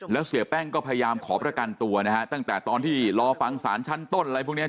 แล้วเสียแป้งก็พยายามขอประกันตัวนะฮะตั้งแต่ตอนที่รอฟังสารชั้นต้นอะไรพวกนี้